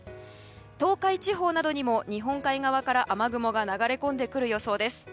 東海地方などにも日本海側から雨雲が流れ込んでくる予報です。